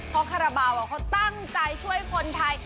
เพราะคาราบาลเขาตั้งใจช่วยคนไทย